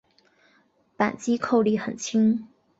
扳机扣力很轻。